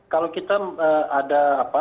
kalau kita ada apa